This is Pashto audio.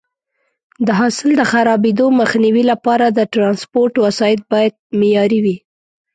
د حاصل د خرابېدو مخنیوي لپاره د ټرانسپورټ وسایط باید معیاري وي.